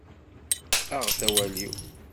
Aɣet awal-iw!